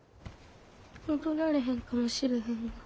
・踊られへんかもしれへんわ。